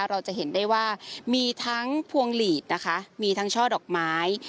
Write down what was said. เราจะเห็นได้ว่ามีทั้งพวงหลีดนะคะมีทั้งช่อดอกไม้